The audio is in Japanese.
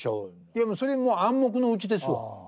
いやもうそれ暗黙のうちですわ。